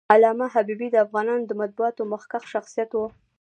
علامه حبيبي د افغانستان د مطبوعاتو مخکښ شخصیت و.